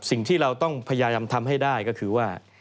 สิ่งที่เราต้องพยายามทำให้ได้ก็คือว่า